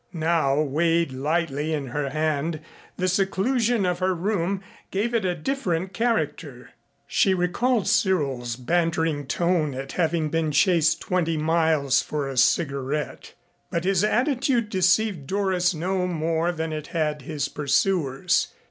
Now, weighed lightly in her hand, the seclusion of her room gave it a different character. She recalled Cyril's bantering tone at having been chased twenty miles for a cigarette. But his attitude deceived Doris no more than it had his pursuers.